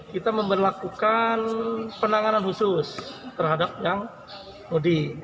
kita memperlakukan penanganan khusus terhadap yang mudik